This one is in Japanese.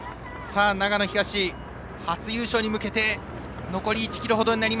長野東、初優勝に向けて残り１ｋｍ程。